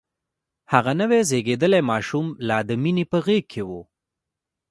هغه نوی زيږدلی ماشوم لا د مينې په غېږ کې و.